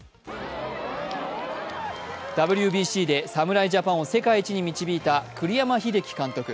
ＷＢＣで侍ジャパンを世界一に導いた栗山英樹監督。